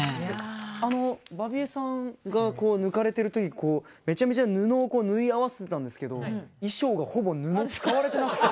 あのバビ江さんが抜かれてる時こうめちゃめちゃ布をこう縫い合わせてたんですけど衣装がほぼ布使われてなくて。